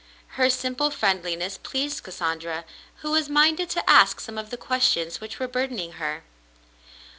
Her simple friendliness pleased Cassandra, who was minded to ask some of the questions which were burdening her.